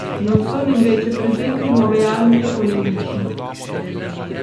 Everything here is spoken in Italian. Non sono invece presenti nuove armi o nemici.